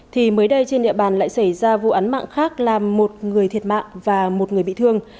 thì mới đây trên địa bàn lại xảy ra vụ án mạng khác làm một người thiệt mạng và một người bị thương